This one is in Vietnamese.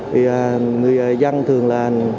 vì người dân thường là